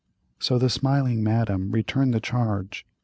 So the smiling Madame returned to the charge.